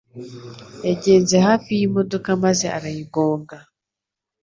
Yagenze hafi yimodoka maze arayigonga